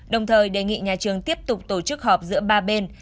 đồng thời đề nghị nhà trường tiếp tục tổ chức họp giữa ba bên